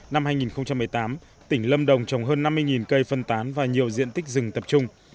năm hai nghìn một mươi tám tỉnh lâm đồng trồng hơn năm mươi cây phân tán và nhiều diện tích rừng tập trung